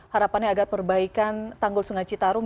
harapannya agar perbaikan tanggul sungai citarum